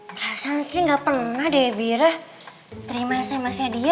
perasaan sri gak pernah deh bira terima sms nya dia